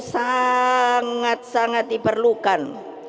sangat sangat diperlukan